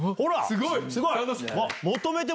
すごい！